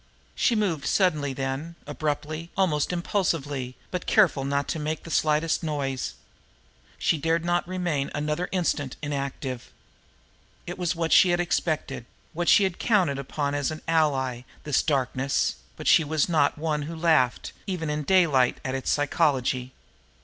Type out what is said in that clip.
She moved suddenly then, abruptly, almost impulsively, but careful not to make the slightest noise. She dared not remain another instant inactive. It was what she had expected, what she had counted upon as an ally, this darkness, but she was not one who laughed, even in daylight, at its psychology.